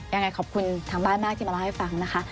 ยังไงขอบคุณทางบ้านมากที่มาเล่าให้ฟังนะคะ